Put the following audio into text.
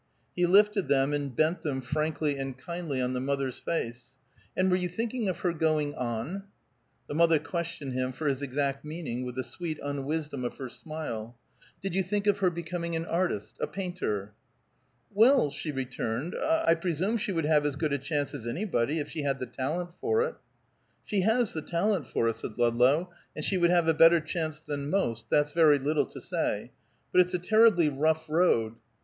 He lifted them, and bent them frankly and kindly on the mother's face. "And were you thinking of her going on?" The mother questioned him for his exact meaning with the sweet unwisdom of her smile. "Did you think of her becoming an artist, a painter?" "Well," she returned, "I presume she would have as good a chance as anybody, if she had the talent for it." "She has the talent for it," said Ludlow, "and she would have a better chance than most that's very little to say but it's a terribly rough road."